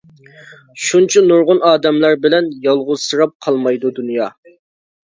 شۇنچە نۇرغۇن ئادەملەر بىلەن، يالغۇزسىراپ قالمايدۇ دۇنيا.